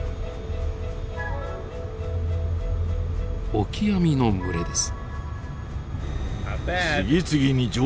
オキアミの群れです。